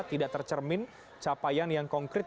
tidak tercermin capaian yang konkret